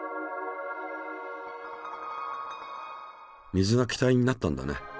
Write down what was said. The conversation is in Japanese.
水が気体になったんだね。